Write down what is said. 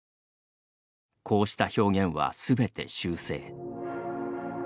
こうした表現はすべて修正。